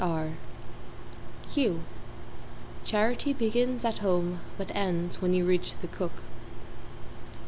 Q Charity begins at home but ends when you reach The Cook.